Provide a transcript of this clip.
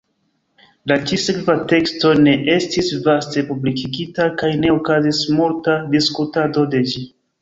La ĉi-sekva teksto ne estis vaste publikigita kaj ne okazis multa diskutado de ĝi.